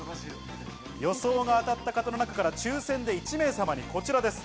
予想が当たった方の中から抽選で１名様にこちらです。